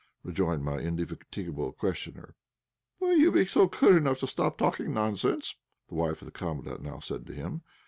rejoined my indefatigable questioner. "Will you be good enough to stop talking nonsense?" the wife of the Commandant now said to him.